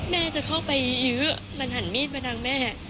แม่จะเข้าไปยื้อมันหันมีดมาทางแม่